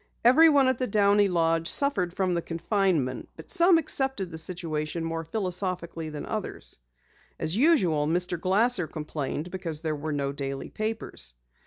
Everyone at the Downey lodge suffered from the confinement, but some accepted the situation more philosophically than others. As usual Mr. Glasser complained because there were no daily papers.